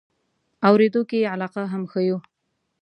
اورېدو کې یې علاقه هم ښیو.